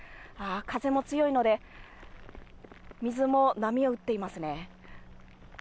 風も強いので水も波打っていますね。